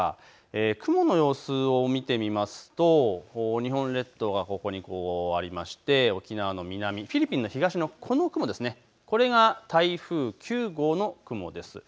雲の様子を見てみますと日本列島がここにありまして沖縄の南、フィリピンの東のこの雲、これが台風９号の雲です。